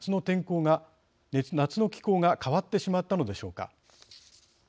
夏の気候が変わってしまったのでしょうか。